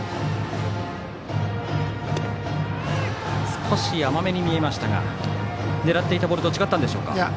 少し甘めに見えましたが狙っていたボールと違ったんでしょうか。